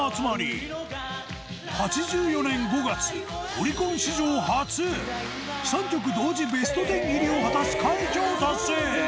８４年５月オリコン史上初３曲同時ベスト１０入りを果たす快挙を達成。